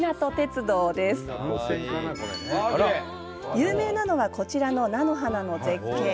有名なのはこちらの菜の花の絶景。